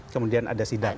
kemudian ada sidatlam